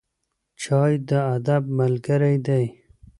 چای د ادب ملګری دی.